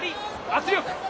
圧力。